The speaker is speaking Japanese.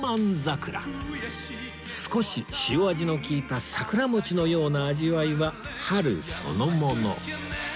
少し塩味の利いた桜餅のような味わいは春そのもの